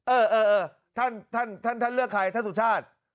เออท่านเลือกใครท่านสุชาติ